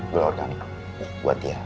gulau orta nih buat dia